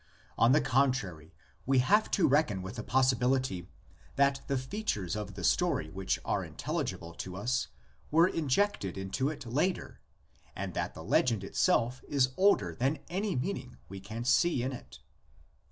On the contrary, we have to reckon with the possibility that the features of the story which are intelligible to us were injected into it later, and that the legend itself is older than any meaning we can see in it.